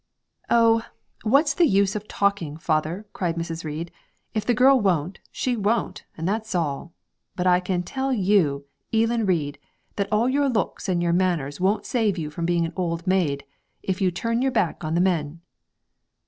'Oh! what's the use o' talking, father,' cried Mrs. Reid; 'if the girl won't, she won't, and that's all. But I can tell you, Eelan Reid, that all your looks and your manners won't save you from being an old maid, if you turn your back on the men.'